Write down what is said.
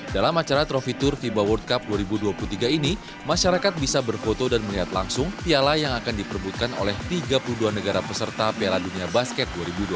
dalam acara trofi tour fiba world cup dua ribu dua puluh tiga ini masyarakat bisa berfoto dan melihat langsung piala yang akan diperbutkan oleh tiga puluh dua negara peserta piala dunia basket dua ribu dua puluh